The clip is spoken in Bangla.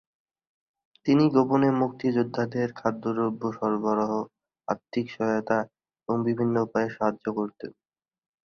তিনি গোপনে মুক্তিযোদ্ধাদের খাদ্যদ্রব্য সরবরাহ, আর্থিক সহায়তা এবং বিভিন্ন উপায়ে সাহায্য করতেন।